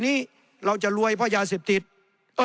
ในทางปฏิบัติมันไม่ได้